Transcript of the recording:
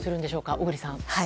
小栗さん。